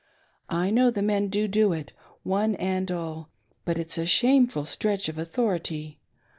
I know the men do do it, one and all ; but it's a shameful stretch of authority.